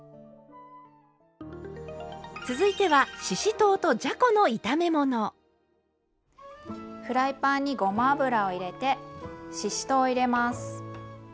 続いてはフライパンにごま油を入れてししとうを入れます。